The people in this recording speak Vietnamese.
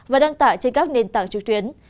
và đăng tải trên các nền tảng trực tuyến